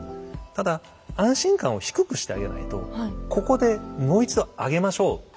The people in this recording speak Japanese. ただ安心感を低くしてあげないとここでもう一度上げましょう。